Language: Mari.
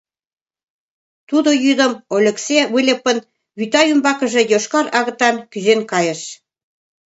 Тудо йӱдым Ольыксе Выльыпын вӱта ӱмбакыже йошкар «агытан» кӱзен кайыш.